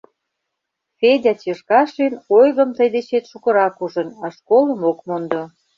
Федя Черкашин ойгым тый дечет шукырак ужын, а школым ок мондо.